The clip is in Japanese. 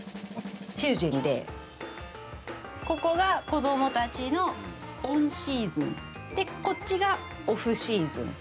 主人で、ここが子どもたちのオンシーズン、で、こっちがオフシーズン。